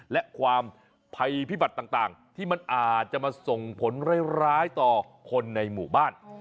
และความภัยพิบัติต่างที่มันอาจจะมาส่งผลร้ายต่อคนในหมู่บ้าน